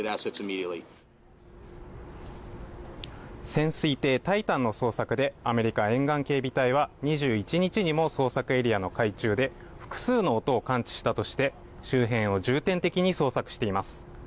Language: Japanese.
潜水艇「タイタン」の捜索で、アメリカ沿岸警備隊は２１日にも捜索エリアの海中で複数の音を感知したとして周辺を重点的に捜索しています。